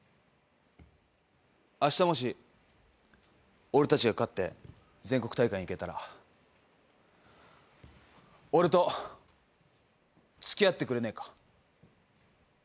あしたもし俺たちが勝って全国大会に行けたら俺と付き合ってくれねえか？